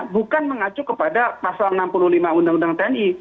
bukan mengacu kepada pasal enam puluh lima undang undang tni